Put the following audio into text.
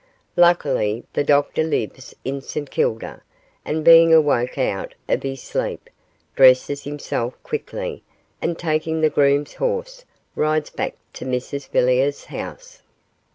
Luckily, the doctor lives in St Kilda, and being awoke out of his sleep, dresses himself quickly, and taking the groom's horse, rides back to Mrs Villiers' house.